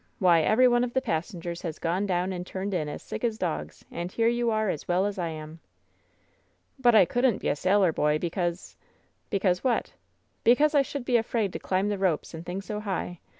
Why, every one of the passengers has gone down and turned in as sick as dogs, and here you are as well as I am!" "But I couldnH be a sailor boy, because " "Because what?" "Because I should be afraid to climb the ropes and things so high.